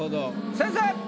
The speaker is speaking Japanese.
先生！